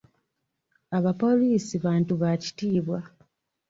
Abapoliisi bantu ba kitiibwa.